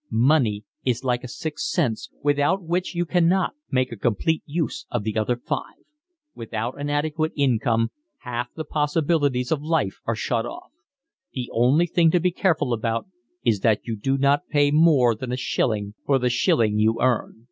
Money is like a sixth sense without which you cannot make a complete use of the other five. Without an adequate income half the possibilities of life are shut off. The only thing to be careful about is that you do not pay more than a shilling for the shilling you earn.